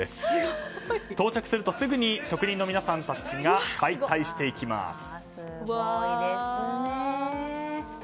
到着するとすぐに職人の皆さんたちが解体していきます。